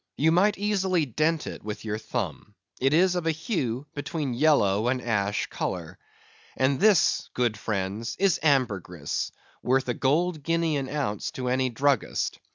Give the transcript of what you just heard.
You might easily dent it with your thumb; it is of a hue between yellow and ash colour. And this, good friends, is ambergris, worth a gold guinea an ounce to any druggist.